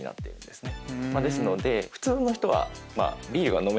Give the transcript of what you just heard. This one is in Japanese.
ですので普通の人は。